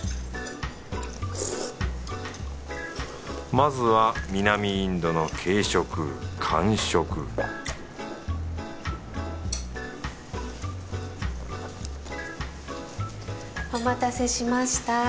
まずは南インドの軽食完食お待たせしました。